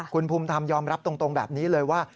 คุณภูมิธรรมยอมรับตรงแบบนี้เลยว่า